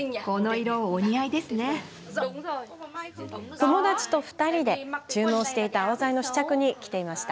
友達と２人で注文していたアオザイの試着に来ていました。